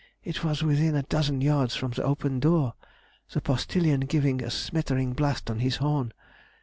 It was within a dozen yards from the open door; the postilion giving a smettering blast on his horn.